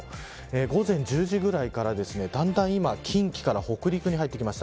午前１０時ぐらいからだんだん、今近畿から北陸に入ってきました。